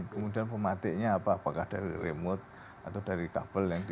kemudian pematiknya apa apakah dari remote atau dari kabel yang